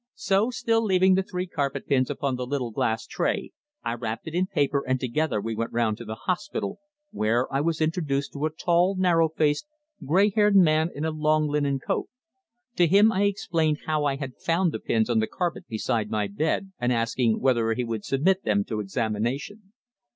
So still leaving the three carpet pins upon the little glass tray I wrapped it in paper and together we went round to the hospital, where I was introduced to a tall, narrow faced, grey haired man in a long linen coat. To him I explained how I had found the pins on the carpet beside my bed, and asking whether he would submit them to examination.